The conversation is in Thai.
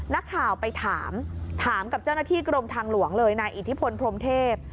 นักข่าวไปถามถามกับเจ้าหน้าที่กรมทางหลวงเลยนายอิทธิพลพรมเทพ